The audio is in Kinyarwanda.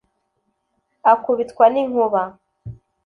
akubitwa n'inkuba